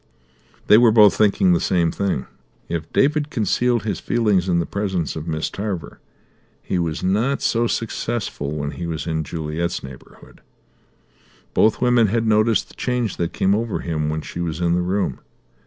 They were both thinking the same thing. If David concealed his feelings in the presence of Miss Tarver he was not so successful when he was in Juliet's neighbourhood. Both women had noticed the change that came over him when she was in the room.